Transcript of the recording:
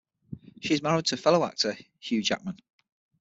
She is married to fellow actor Hugh Jackman.